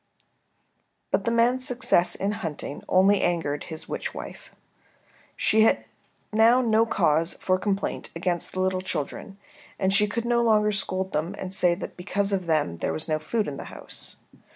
But the man's success in hunting only angered his witch wife. She had now no cause for complaint against the little children, and she could no longer scold them and say that because of them there was no food in the house.